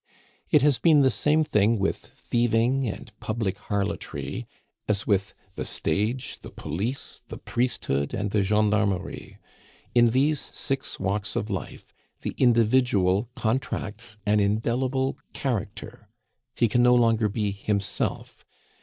It has been the same thing with thieving and public harlotry as with the stage, the police, the priesthood, and the gendarmerie. In these six walks of life the individual contracts an indelible character. He can no longer be himself.